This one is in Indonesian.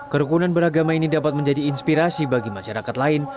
kerukunan beragama ini dapat menjadi inspirasi bagi masyarakat lain